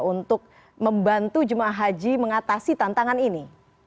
untuk membantu jemaah haji mengatasi tantangan ini